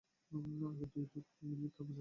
আগে দুই ঢোক গিলি, তারপর জানাবো।